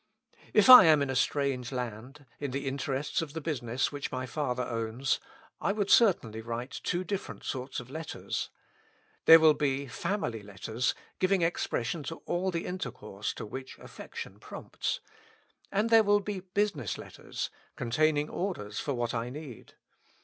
" If I am in a strange land, in the interests of the business 80 With Christ in the School of Prayer. which my father owns, I would certainly write two different sorts of letters. There will be family letters giving expression to all the intercourse to which aflfection prompts ; and there will be business letters, containing orders for what I need.